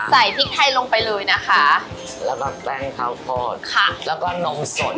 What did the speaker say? ใส่พริกไทยลงไปเลยนะคะแล้วก็แป้งข้าวทอดค่ะแล้วก็นมสด